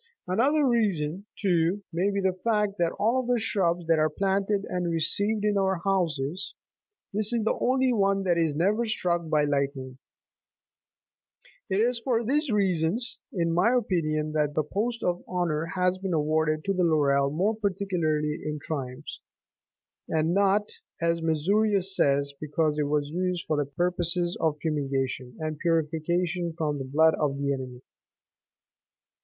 Another reason, too, may be the fact, that of all the shrubs that are planted and received in our houses, this is the only one that is never struck by lightning.85 It is for these reasons, in my opinion, that the post of honour has been awarded to the laurel more particularly in triumphs, and not, as Massurius says, because it was used for the purposes of fumigation'and purification from the blood of the enemy.